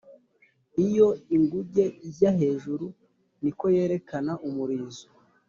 iyo inguge ijya hejuru, niko yerekana umurizo.